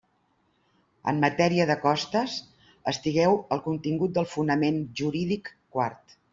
En matèria de costes, estigueu al contingut del fonament jurídic quart.